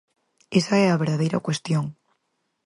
¡Esa é a verdadeira cuestión!